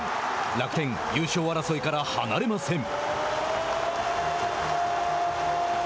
楽天、優勝争いから離れません。